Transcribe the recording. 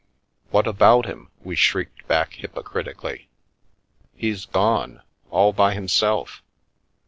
" What about him ?" we shrieked back hypocritically. "He's gone! All by himself!